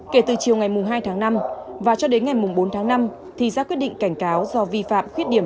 kể từ chiều ngày hai tháng năm và cho đến ngày bốn tháng năm thì ra quyết định cảnh cáo do vi phạm khuyết điểm